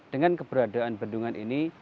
dengan keberadaan bendungan ini